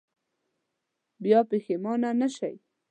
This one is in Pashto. بیا پښېمانه نه شئ.